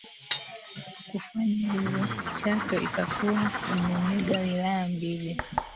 Kwa kufanya hivyo Chato itakuwa imemega wilaya mbili